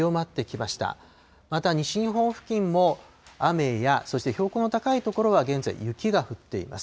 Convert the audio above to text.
また、西日本付近も雨や、そして標高の高い所は現在、雪が降っています。